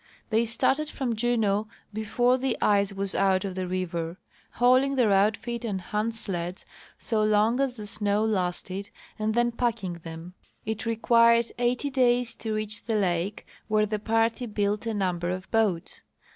They started from Juneau before the ice was out of the river, hauling their outfit on hand sleds so long as the snow lasted, and then packing them. It required eighty days to reach the lake, where the party built a number of boats.